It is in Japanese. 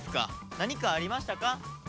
何かありましたか？